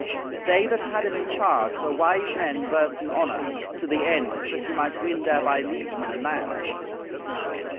They that had him in charge were wise men versed in honour, to the end that he might win thereby liegemen and lands.